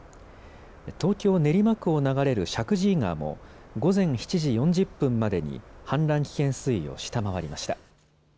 東京練馬区を流れる石神井川も午前７時４０分までに氾濫危険水位を下回りました。